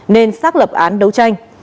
nên xác lập án đấu tranh